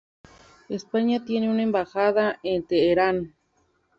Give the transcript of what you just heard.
España tiene una embajada en Teherán.